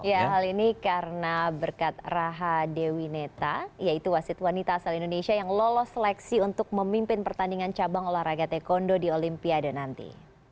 ya hal ini karena berkat raha dewi neta yaitu wasit wanita asal indonesia yang lolos seleksi untuk memimpin pertandingan cabang olahraga taekwondo di olimpiade nanti